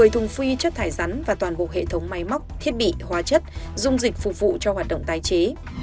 một mươi thùng phi chất thải rắn và toàn bộ hệ thống máy móc thiết bị hóa chất dung dịch phục vụ cho hoạt động tái chế